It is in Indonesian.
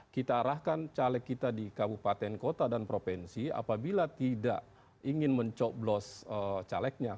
kita arahkan caleg kita di kabupaten kota dan provinsi apabila tidak ingin mencoblos calegnya